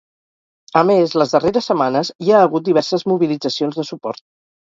A més, les darreres setmanes hi ha hagut diverses mobilitzacions de suport.